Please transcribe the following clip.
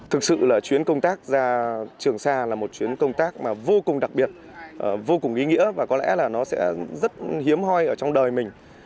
thực sự là chuyến công tác ra trường sa là một chuyến công tác mà vô cùng đặc biệt vô cùng ý nghĩa và có lẽ là nó sẽ rất hiếm hoi ở trong đời mình